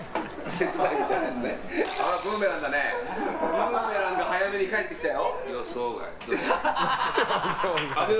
ブーメランが早めに返ってきたよ。